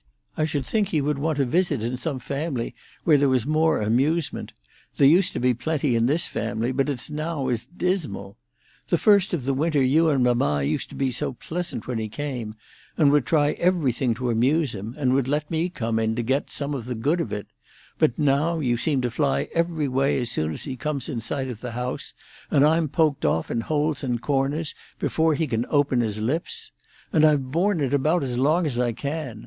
I should think he would want to visit in some family where there was more amusement. There used to be plenty in this family, but now it's as dismal! The first of the winter you and mamma used to be so pleasant when he came, and would try everything to amuse him, and would let me come in to get some of the good of it; but now you seem to fly every way as soon as he comes in sight of the house, and I'm poked off in holes and corners before he can open his lips. And I've borne it about as long as I can.